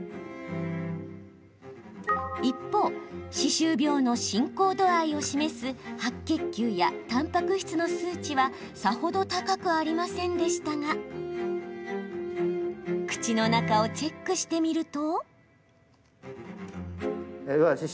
一方、歯周病の進行度合いを示す白血球や、たんぱく質の数値はさほど高くありませんでしたが口の中をチェックしてみると。